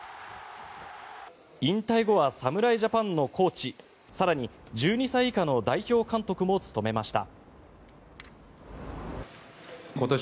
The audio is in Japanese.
引退後は侍ジャパンのコーチ更に１２歳以下の代表監督も務めました。